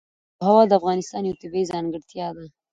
آب وهوا د افغانستان یوه طبیعي ځانګړتیا ده.